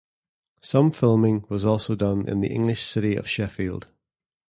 Some filming was also done in the English city of Sheffield.